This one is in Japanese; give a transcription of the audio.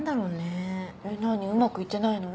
えっ何うまくいってないの？